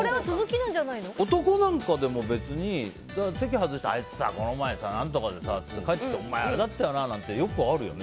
男なんかでも別に席を外してあいつさ、この前、何とかでさ帰ってきてお前あれだったよなってよくあるよね。